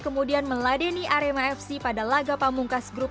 kemudian meladeni arema fc pada laga pamungkas grup